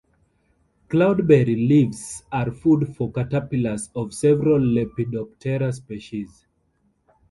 Cloudberry leaves are food for caterpillars of several Lepidoptera species.